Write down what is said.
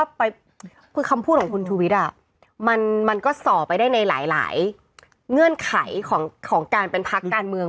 คือคำพูดของคุณชูวิทย์มันก็ส่อไปได้ในหลายเงื่อนไขของการเป็นพักการเมือง